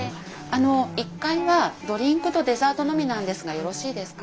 あの１階はドリンクとデザートのみなんですがよろしいですか？